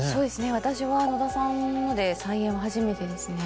私は野田さんので再演は初めてですね。